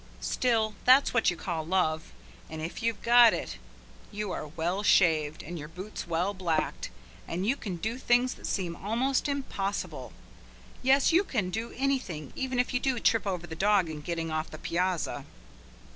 Still, that's what you call love, and if you've got it, and are well shaved, and your boots well blacked, you can do things that seem almost impossible. Yes, you can do anything, even if you do trip over the dog in getting off the piazza.